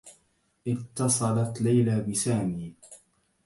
اتّصلت ليلى بسامي.